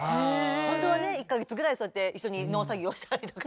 本当はね一か月ぐらいそうやって一緒に農作業したりとかね